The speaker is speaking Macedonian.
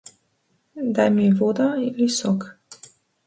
Дај ми вода или сок.